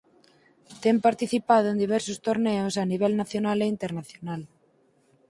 Ten participado en diversos torneos a nivel nacional e internacional.